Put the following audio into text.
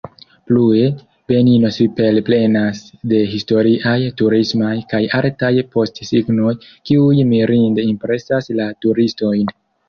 Plue, Benino superplenas de historiaj, turismaj, kaj artaj postsignoj, kiuj mirinde impresas la turistojn.